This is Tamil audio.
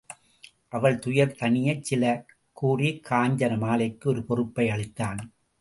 அவள் துயர் தணியச் சில கூறிக் காஞ்சன மாலைக்கு ஒரு பொறுப்பை அளித்தான்.